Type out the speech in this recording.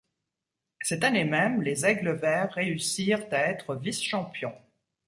Cette année même, les aigles verts réussirent à être vice-champion.